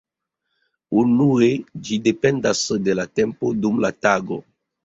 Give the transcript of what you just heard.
Unue ĝi dependas de la tempo dum la tago.